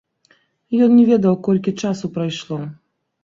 Ён не ведаў, колькі часу прайшло.